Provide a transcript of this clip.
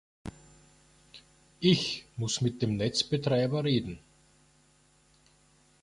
Ich muss mit dem Netzbetreiber reden.